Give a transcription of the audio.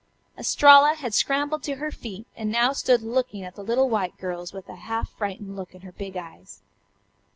Estralla had scrambled to her feet and now stood looking at the little white girls with a half frightened look in her big eyes.